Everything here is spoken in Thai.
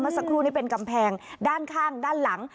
สักครู่นี้เป็นกำแพงด้านข้างด้านหลัง